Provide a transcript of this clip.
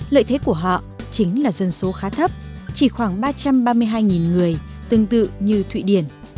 lợi thế của họ chính là dân số khá thấp chỉ khoảng ba trăm ba mươi hai người tương tự như thụy điển